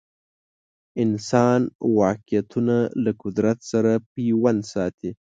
انسان واقعیتونه له قدرت سره پیوند ساتي